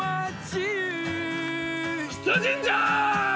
出陣じゃ！